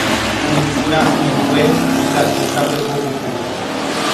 Uruku ra'ỹingue ikatúta pembopupu